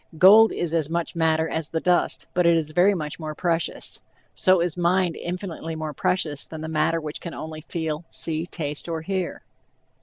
Gold is as much matter as the dust, but it is very much more precious; so is mind infinitely more precious than the matter which can only feel, see, taste or hear.